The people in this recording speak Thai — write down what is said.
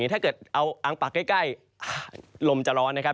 ถ้าเกิดเอาอังปากใกล้ลมจะร้อนนะครับ